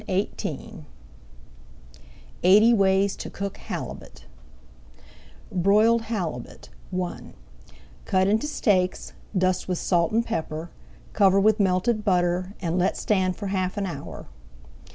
[Page 169] EIGHTY WAYS TO COOK HALIBUT BROILED HALIBUT I Cut into steaks, dust with salt and pepper, cover with melted butter, and let stand for half an hour.